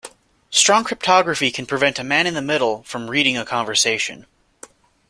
Strong cryptography can prevent a man in the middle from reading a conversation.